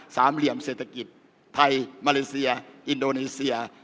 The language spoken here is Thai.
เหลี่ยมเศรษฐกิจไทยมาเลเซียอินโดนีเซีย